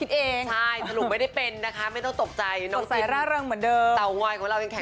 ใช่สรุปไม่ได้เป็นนะคะไม่ต้องตกใจน้องจินเต๋อง้อยของเรายังแข็งแรงมาก